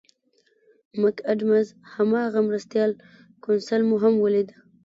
مک اډمز هماغه مرستیال کونسل مو هم ولید.